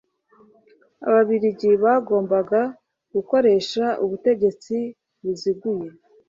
ababiligi bagombaga gukoresha ubutegetsi buziguye